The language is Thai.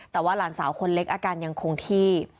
แต่ว่าหลานสาวคนเล็กอาการยังคงที่